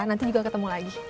nanti juga ketemu lagi